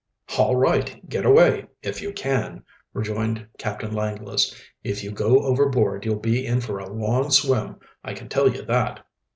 "All right, get away if you can," rejoined Captain Langless. "If you go overboard you'll be in for a long swim, I can tell you that."